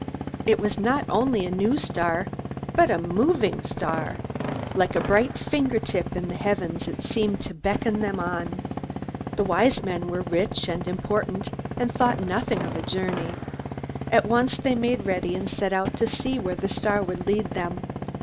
It was not only a new star, but a moving star. Like a bright fingertip in the heavens, it seemed to beckon them on. The Wise Men were rich and important, and thought nothing of a journey. At once they made ready and set out to see where the star would lead them.